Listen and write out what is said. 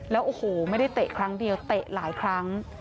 แล้วโอ้โหไม่ได้เตะครั้งเดียวเตะหลายครั้ง